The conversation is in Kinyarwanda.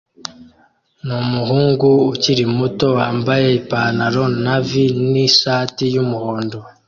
numuhungu ukiri muto wambaye ipantaro navy nishati yumuhondo